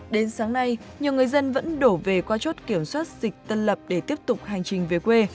đến sáng nay nhiều người dân vẫn đổ về qua chốt kiểm soát dịch tân lập để tiếp tục hành trình về quê